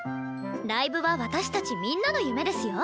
ライブは私たちみんなの夢ですよ。